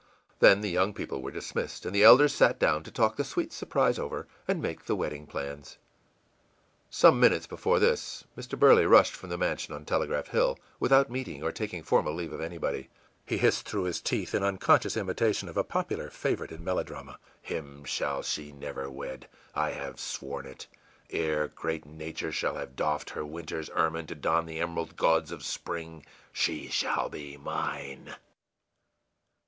î Then the young people were dismissed, and the elders sat down to talk the sweet surprise over and make the wedding plans. Some minutes before this Mr. Burley rushed from the mansion on Telegraph Hill without meeting or taking formal leave of anybody. He hissed through his teeth, in unconscious imitation of a popular favorite in melodrama, ìHim shall she never wed! I have sworn it! Ere great Nature shall have doffed her winter's ermine to don the emerald gauds of spring, she shall be mine!